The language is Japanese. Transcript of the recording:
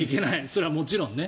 それはもちろんね。